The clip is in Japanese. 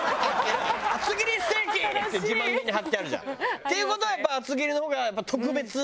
「厚切りステーキ！」って自慢げに貼ってあるじゃん。っていう事はやっぱ厚切りの方が特別なものなんだよ。